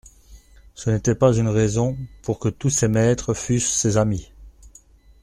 Ce n'était pas une raison pour que tous ses maîtres fussent ses amis.